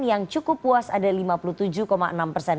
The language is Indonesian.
yang cukup puas ada lima puluh tujuh enam persen